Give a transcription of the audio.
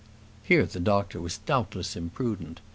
Here the doctor was doubtless imprudent.